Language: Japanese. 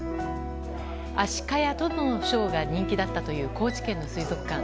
アシカやトドのショーが人気だったという高知県の水族館。